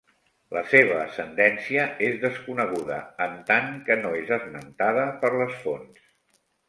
La seva ascendència és desconeguda en tant que no és esmentada per les fonts.